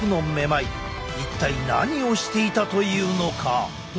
一体何をしていたというのか？